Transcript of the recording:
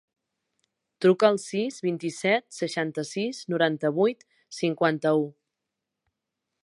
Truca al sis, vint-i-set, seixanta-sis, noranta-vuit, cinquanta-u.